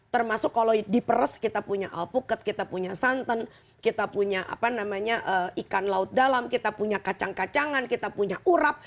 termasuk kalau diperes kita punya alpukat kita punya santan kita punya ikan laut dalam kita punya kacang kacangan kita punya urap